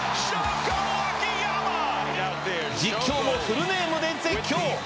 実況もフルネームで絶叫。